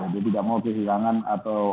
jadi tidak mau kehilangan atau